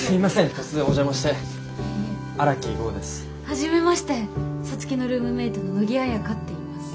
はじめまして皐月のルームメートの野木綾花っていいます。